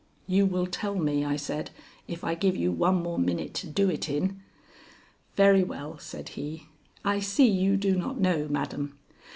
"You will tell me," I said, "if I give you one more minute to do it in." "Very well," said he. "I see you do not know, madam.